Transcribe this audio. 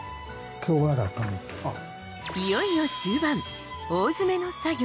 いよいよ終盤大詰めの作業